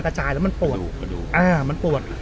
เขาโปรด